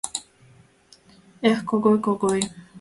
— Эх, Когой, Когой!